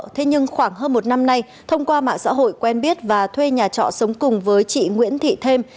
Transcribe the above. thế nhưng khoảng hơn một năm nay thông qua mạng xã hội quen biết và thuê nhà trọ sống cùng với chị nguyễn thị thêm